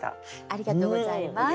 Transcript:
ありがとうございます。